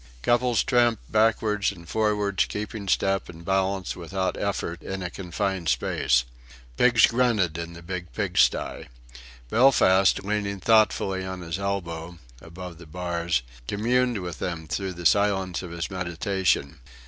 Couples tramped backwards and forwards, keeping step and balance without effort, in a confined space. Pigs grunted in the big pigstye. Belfast, leaning thoughtfully on his elbow, above the bars, communed with them through the silence of his meditation.